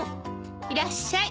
いらっしゃい。